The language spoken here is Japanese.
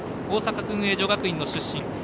大阪薫英女学園の出身。